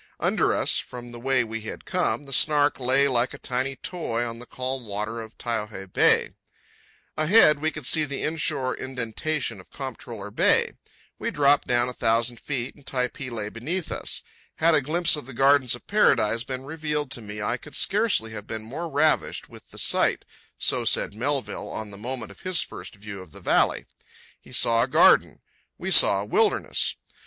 Under us, from the way we had come, the Snark lay like a tiny toy on the calm water of Taiohae Bay. Ahead we could see the inshore indentation of Comptroller Bay. We dropped down a thousand feet, and Typee lay beneath us. "Had a glimpse of the gardens of paradise been revealed to me I could scarcely have been more ravished with the sight"—so said Melville on the moment of his first view of the valley. He saw a garden. We saw a wilderness.